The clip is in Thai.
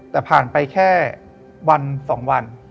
แต่ผ่านไปแค่วัน๒วัน